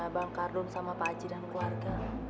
bang kardun sama pak aji dan keluarga